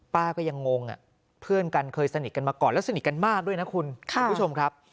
ป้าก็ยังงงเพื่อนกันเคยสนิทกันมาก่อนแล้วสนิทกันมากด้วยนะคุณผู้ชมครับ